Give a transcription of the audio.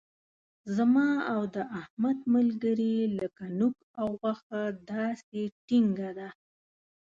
زما او د احمد ملګري لکه نوک او غوښه داسې ټینګه ده.